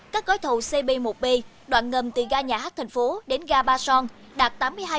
các gói thầu cb một b đoạn ngầm từ ga nhà hát tp đến ga ba son đạt tám mươi hai năm